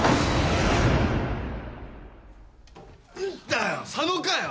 んだよ佐野かよ。